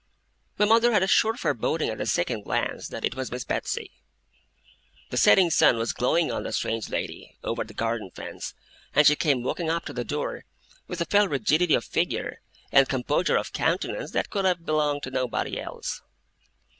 My mother had a sure foreboding at the second glance, that it was Miss Betsey. The setting sun was glowing on the strange lady, over the garden fence, and she came walking up to the door with a fell rigidity of figure and composure of countenance that could have belonged to nobody else.